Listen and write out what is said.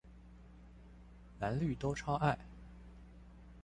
藍綠都超愛